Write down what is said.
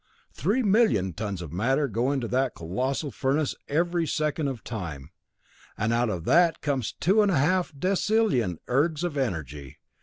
Three million tons of matter go into that colossal furnace every second of time, and out of that comes two and a half decillion ergs of energy.